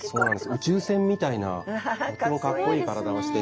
宇宙船みたいなとてもかっこいい体をしていますよね。